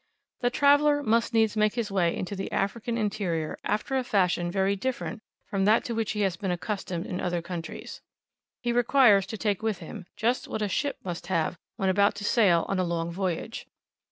The traveller must needs make his way into the African interior after a fashion very different from that to which he has been accustomed in other countries. He requires to take with him just what a ship must have when about to sail on a long voyage.